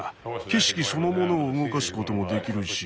景色そのものを動かすこともできるし。